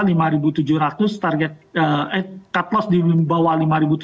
cutloss di bawah lima tujuh ratus